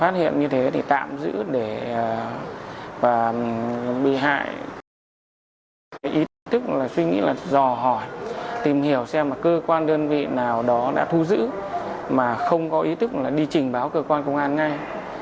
nhiều xe mà cơ quan đơn vị nào đó đã thu giữ mà không có ý tức là đi trình báo cơ quan công an ngay